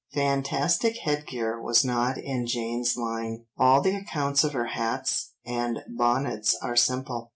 Fantastic headgear was not in Jane's line, all the accounts of her hats and bonnets are simple.